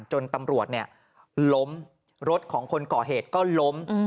จนตำรวจล้มรถของคนก่อเหตุก็ล้ม